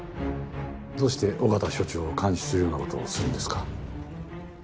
どうして緒方署長を監視するようなことをするんですか？